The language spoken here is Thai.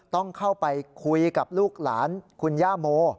ต้องเข้าไปคุยกับลูกหลานคุณย่าโม